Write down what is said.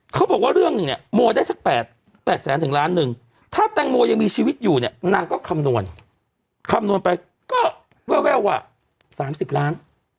เขาบอกว่าเรื่องหนึ่งเนี่ยโมได้สัก๘แสนถึงล้านหนึ่งถ้าแตงโมยังมีชีวิตอยู่เนี่ยนางก็คำนวณคำนวณไปก็แววว่า๓๐ล้าน